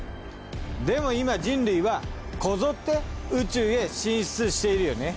でも今人類はこぞって宇宙へ進出しているよね。